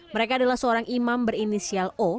mereka adalah seorang imam berinisial o